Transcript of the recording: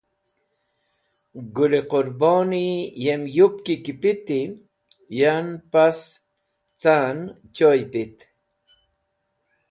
Gũl-e Qũrboni yem yupki ki piti, yan pas ca’n choy pit.